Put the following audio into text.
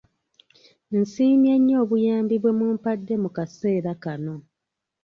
Nsiimye nnyo obuyambi bwe mumpadde mu kaseera kano.